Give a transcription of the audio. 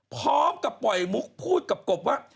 พร้อมกับปล่อยมุกพูดกับกบว่า